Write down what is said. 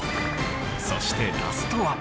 そしてラストは。